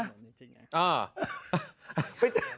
อ่า